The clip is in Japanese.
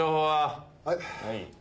はい。